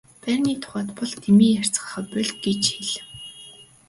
Байрны тухайд бол дэмий ярьцгаахаа боль гэж хэл.